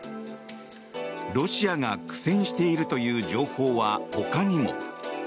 ロシアが苦戦しているという情報はほかにも。